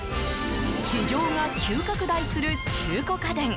市場が急拡大する中古家電。